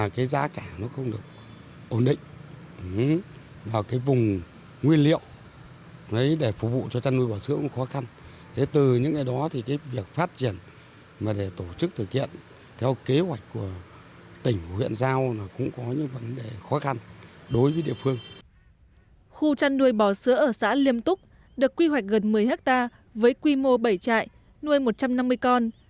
khu chăn nuôi bò sữa ở xã liêm túc được quy hoạch gần một mươi hectare với quy mô bảy trại nuôi một trăm năm mươi con